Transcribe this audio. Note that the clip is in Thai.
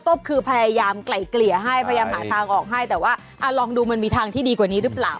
ก็คือพยายามไกล่เกลี่ยให้พยายามหาทางออกให้แต่ว่าลองดูมันมีทางที่ดีกว่านี้หรือเปล่า